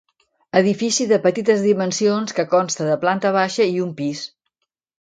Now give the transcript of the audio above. Edifici de petites dimensions que consta de planta baixa i un pis.